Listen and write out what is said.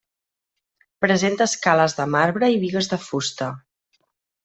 Presenta escales de marbre i bigues de fusta.